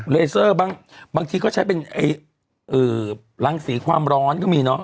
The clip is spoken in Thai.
เลเซอร์บางทีก็ใช้เป็นรังสีความร้อนก็มีเนอะ